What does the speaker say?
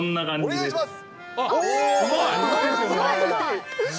お願いします。